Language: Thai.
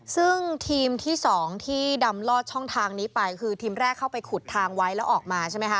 ซึ่งทีมที่๒ที่ดำลอดช่องทางนี้ไปคือทีมแรกเข้าไปขุดทางไว้แล้วออกมาใช่ไหมคะ